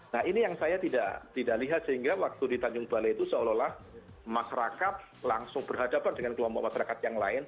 nah ini yang saya tidak lihat sehingga waktu di tanjung balai itu seolah olah masyarakat langsung berhadapan dengan kelompok masyarakat yang lain